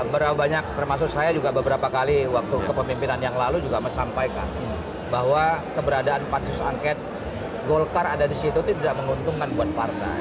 berapa banyak termasuk saya juga beberapa kali waktu kepemimpinan yang lalu juga menyampaikan bahwa keberadaan pansus angket golkar ada di situ itu tidak menguntungkan buat partai